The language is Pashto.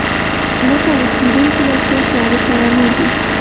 نه پلي کېدونکي نقشې خيالي ترانې دي.